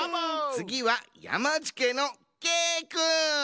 つぎはやまじけのけいくん！